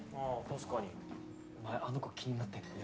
確かにお前あの子気になってんの？